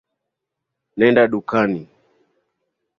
Nenda dukani